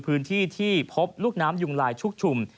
พื้นที่ที่พบลูกน้ำยุงลายชุกชุม